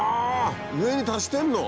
上に足してるの？